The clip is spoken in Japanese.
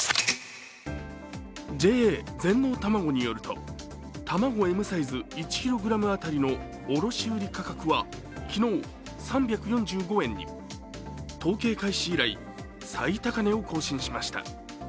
ＪＡ全農たまごによると、卵Ｍサイズ１ｋｇ当たりの卸売り価格は昨日、３３５円に統計開始以来、最高値を更新しました。